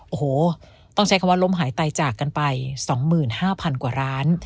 โอ้โหต้องใช้คำว่าล้มหายตายจากกันไป๒๕๐๐๐กว่าร้าน